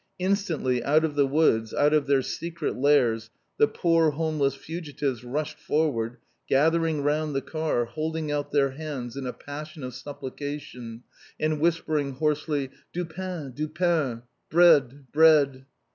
Instantly, out of the woods, out of their secret lairs, the poor homeless fugitives rushed forward, gathering round the car, holding out their hands in a passion of supplication, and whispering hoarsely, "Du pain! Du pain!" Bread! Bread!